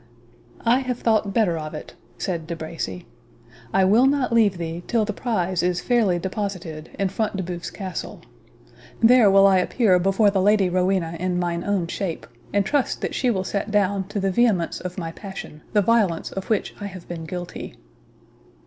"I have thought better of it," said De Bracy; "I will not leave thee till the prize is fairly deposited in Front de Bœuf's castle. There will I appear before the Lady Rowena in mine own shape, and trust that she will set down to the vehemence of my passion the violence of which I have been guilty."